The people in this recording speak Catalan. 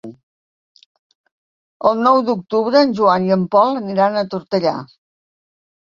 El nou d'octubre en Joan i en Pol aniran a Tortellà.